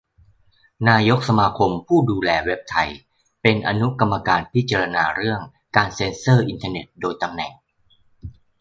นายกสมาคมผู้ดูแลเว็บไทย เป็น อนุกรรมการพิจารณาเรื่องการเซ็นเซอร์อินเทอร์เน็ต โดยตำแหน่ง